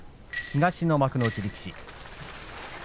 東の幕内力士。